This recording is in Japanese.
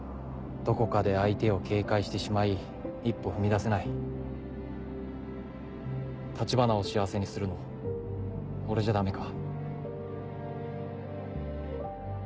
どこかで相手を警戒してしまい一歩踏橘を幸せにするの俺じゃダメか？